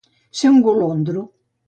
Ser un golondro.